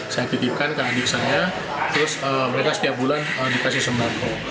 saya titipkan ke adik saya terus mereka setiap bulan dikasih sembako